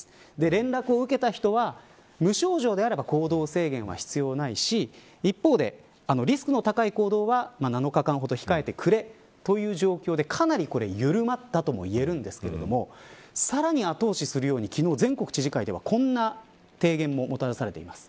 連絡を受けた人は無症状であれば行動制限は必要ないし一方で、リスクの高い行動は７日間ほど控えてくれという状況でかなり緩まったともいえるんですけれどもさらに後押しするように、昨日全国知事会では、こんな提言ももたらされています。